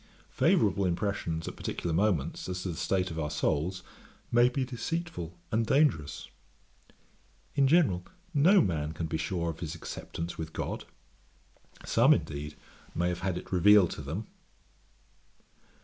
Favourable impressions at particular moments, as to the state of our souls, may be deceitful and dangerous. In general no man can be sure of his acceptance with God; some, indeed, may have had it revealed to them.